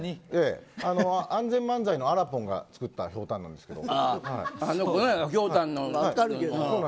安全漫才のあらぽんが作ったひょうたんなんですけど。